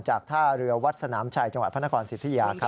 ท่าเรือวัดสนามชัยจังหวัดพระนครสิทธิยา